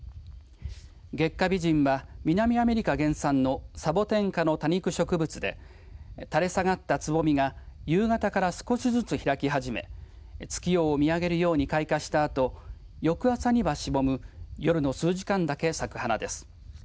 月下美人は南アメリカ原産のサボテン科の多肉植物で垂れ下がったつぼみが夕方から少しずつ開き始め月を見上げるように開花したあと翌朝にはしぼむ夜の数時間だけ咲く花です。